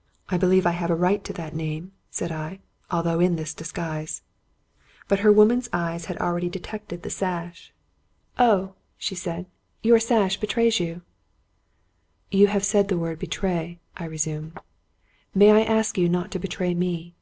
" I believe I have a right to that name," said I, " although in this disguise." But her woman's eye had already detected the sash. 170 Robert Louis Stevenson " Oh! " she said; " your sash betrays you/' " You have said the word betrayy" I resumed. " May I ask you not to betray me?